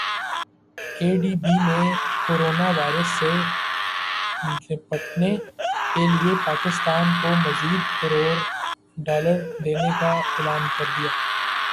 اے D B نے corona virus سے نمٹنے کیلئے پاکستان کو مزید کروڑ ڈالر دینے کا اعلان کردیا